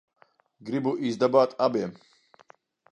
Gribu izdabāt abiem.